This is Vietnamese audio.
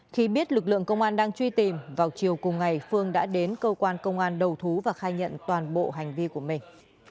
khi biết lực lượng công an đang truy tìm vào chiều cùng ngày phương đã đến cơ quan công an đầu thú và khai nhận toàn bộ hành vi của mình